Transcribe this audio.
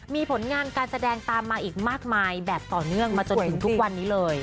มีผลงานการแสดงตามมาอีกมากมายแบบต่อเนื่องมาจนถึงทุกวันนี้เลย